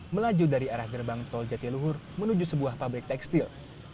melaju dari arah gerbang tol jatiluhur menuju sebuah pabrik tekstil